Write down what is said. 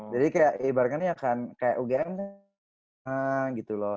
jadi kayak ibaratnya akan kayak ugm gitu loh